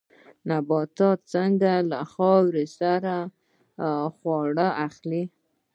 نباتات څنګه له خاورې خواړه اخلي؟